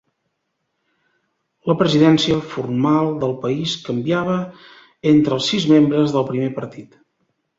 La presidència formal del país canviava entre els sis membres del primer partit.